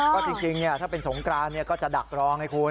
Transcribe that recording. ก็จริงถ้าเป็นสงกรานก็จะดักรอไงคุณ